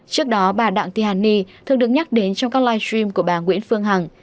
trước đó bà đặng ti hàn ni thường được nhắc đến trong các live stream của bà nguyễn phương hằng